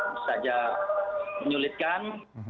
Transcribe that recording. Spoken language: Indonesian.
bisa aja menyulitkan